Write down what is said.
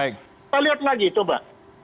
kita lihat lagi coba